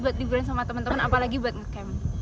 buat liburan sama temen temen apalagi buat ngecam